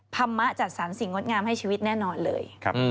ธรรมะจัดสรรสิ่งงดงามให้ชีวิตแน่นอนเลย